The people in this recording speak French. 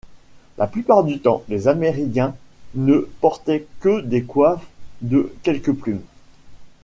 La plupart du temps, les Amérindiens ne portaient que des coiffes de quelques plumes.